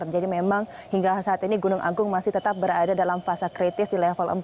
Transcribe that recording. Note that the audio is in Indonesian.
jadi memang hingga saat ini gunung agung masih tetap berada dalam fase kritis di level empat